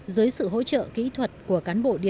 dưới sự hỗ trợ kỹ thuật của cán bộ